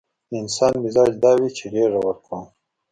د انسان مزاج دا وي چې غېږه ورکوم.